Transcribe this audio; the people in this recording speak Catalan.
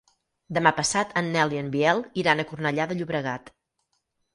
Demà passat en Nel i en Biel iran a Cornellà de Llobregat.